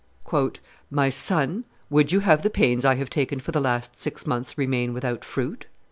"My son, would you have the pains I have taken for the last six months remain without fruit?"